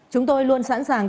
chúng tôi luôn sẵn sàng